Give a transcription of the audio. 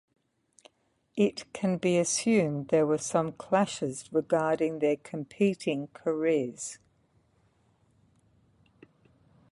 It can be assumed there were some clashes regarding their competing careers.